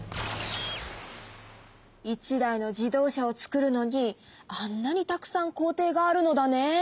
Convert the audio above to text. １台の自動車をつくるのにあんなにたくさん工程があるのだね。